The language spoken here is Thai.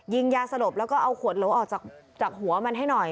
ยาสลบแล้วก็เอาขวดโหลออกจากหัวมันให้หน่อย